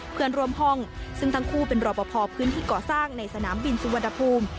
เพื่อนร่วมห้องซึ่งทั้งคู่เป็นรอปภพื้นที่ก่อสร้างในสนามบินสุวรรณภูมิ